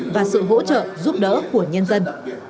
và sự hỗ trợ giúp đỡ của nhân dân